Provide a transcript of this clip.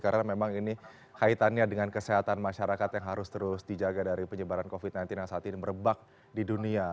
karena memang ini kaitannya dengan kesehatan masyarakat yang harus terus dijaga dari penyebaran covid sembilan belas yang saat ini merebak di dunia